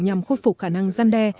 nhằm khuất phục khả năng gian đe